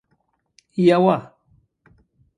یوه